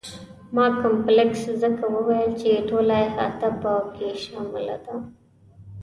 ما کمپلکس ځکه وویل چې ټوله احاطه په کې شامله ده.